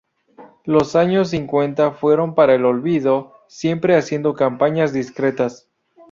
Los años cincuenta fueron para el olvido, siempre haciendo campañas discretas.